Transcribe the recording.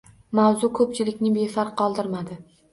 Mavzu ko‘pchilikni befarq qoldirmadi